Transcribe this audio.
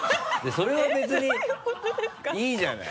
それは別にいいじゃない。